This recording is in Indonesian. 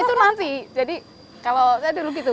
itu nanti jadi kalau saya dulu gitu